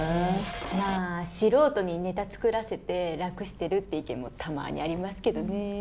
まあ素人にネタ作らせて楽してるって意見もたまーにありますけどね。